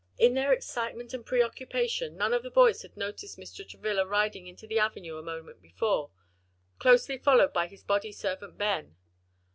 In their excitement and pre occupation, none of the boys had noticed Mr. Travilla riding into the avenue a moment before, closely followed by his body servant Ben.